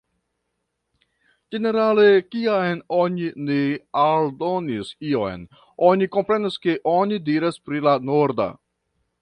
Ĝenerale, kiam oni ne aldonis ion, oni komprenas ke oni diras pri la "norda".